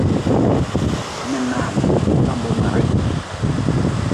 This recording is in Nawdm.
Minaam tombe mirrh.